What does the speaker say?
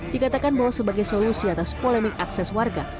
dikatakan bahwa sebagai solusi atas polemik akses warga